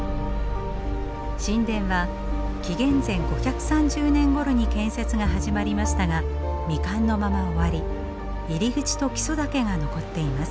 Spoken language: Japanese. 神殿は紀元前５３０年ごろに建設が始まりましたが未完のまま終わり入り口と基礎だけが残っています。